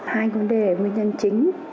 hai vấn đề nguyên nhân chính